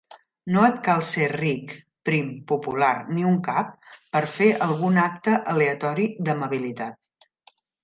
No et cal ser ric, prim, popular ni un cap per fer algun acte aleatori d'amabilitat.